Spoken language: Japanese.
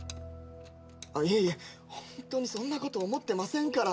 あっいえいえホントにそんなこと思ってませんから。